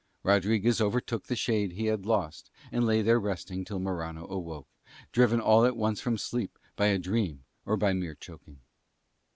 Rodriguez overtook the shade he had lost and lay there resting until Morano awoke, driven all at once from sleep by a dream or by mere choking.